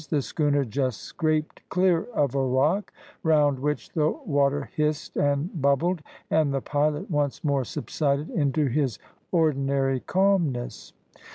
The schooner just scraped clear of a rock, round which the water hissed and bubbled, and the pilot once more subsided into his ordinary calmness.